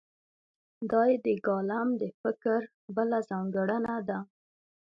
دا یې د کالم د فکر بله ځانګړنه ده.